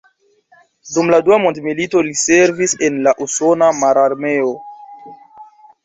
Dum la Dua Mondmilito li servis en la usona mararmeo.